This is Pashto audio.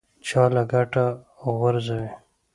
چا له کټه غورځوي.